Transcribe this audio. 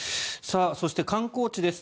そして、観光地です。